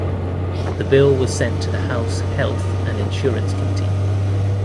The bill was sent to the House Health and Insurance Committee.